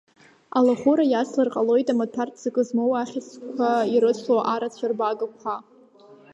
Алахәыра иацлар ҟалоит амаҭәартә ҵакы змоу ахьыӡҟақәа ирыцло арацәа рбага -қәа.